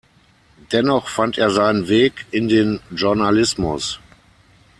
Dennoch fand er seinen Weg in den Journalismus.